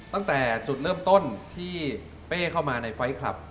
ตั้งแต่จุดเริ่มต้นที่เป้เข้ามาในไฟล์คลับ